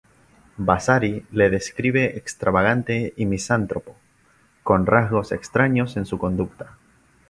Vasari le describe extravagante y misántropo, con rasgos extraños en su conducta.